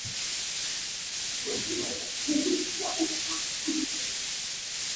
米林乌头为毛茛科乌头属下的一个种。